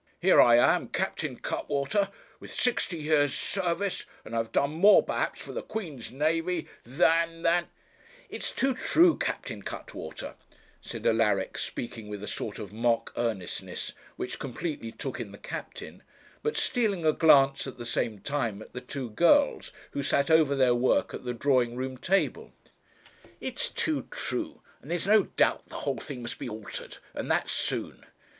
Here I am, Captain Cuttwater with sixty years' service and I've done more perhaps for the Queen's navy than than ' 'It's too true, Captain Cuttwater,' said Alaric, speaking with a sort of mock earnestness which completely took in the captain, but stealing a glance at the same time at the two girls, who sat over their work at the drawing room table, 'it's too true; and there's no doubt the whole thing must be altered, and that soon.